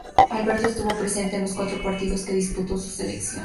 Alberto estuvo presente en los cuatro partidos que disputó su selección.